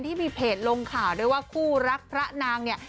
ที่มีเพจลงข่าวด้วยว่าคู่รักพระนางเนี่ย